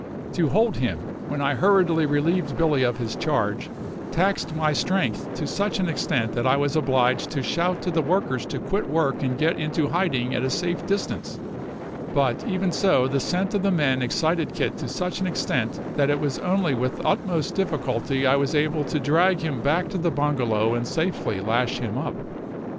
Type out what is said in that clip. To hold him when I hurriedly relieved Billy of his charge taxed my strength to such an extent that I was obliged to shout to the workers to quit work and get into hiding at a safe distance; but, even so, the scent of the men excited Kit to such an extent that it was only with the utmost difficulty I was able to drag him back to the bungalow and safely lash him up.